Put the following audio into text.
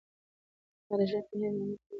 هغه د ژوند په نوې معنا پوهیږي.